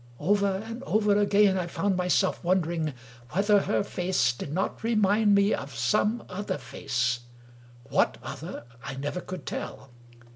Over and over again, I found my self wondering whether her face did not remind me of some other face — what other I never could tell.